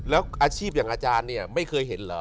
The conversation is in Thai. แล้วอาชีพอย่างอาจารย์เนี่ยไม่เคยเห็นเหรอ